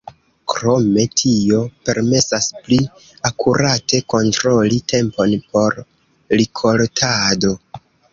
Krome tio permesas pli akurate kontroli tempon por rikoltado.